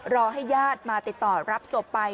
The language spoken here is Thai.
รอให้ญาติมาติดต่อรับศพไป